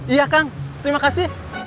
iya kang terima kasih